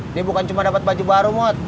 ini bukan cuma dapat baju baru mot